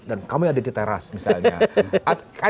dan kamu yang ada di teras misalnya